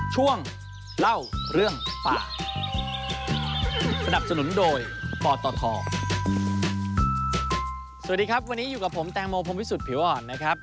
สวัสดีครับวันนี้อยู่กับผมแตงโมพรมวิสุทธิผิวอ่อนนะครับ